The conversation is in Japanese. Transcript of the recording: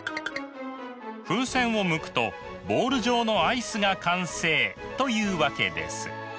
風船をむくとボール状のアイスが完成というわけです。